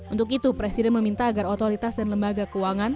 untuk itu presiden meminta agar otoritas dan lembaga keuangan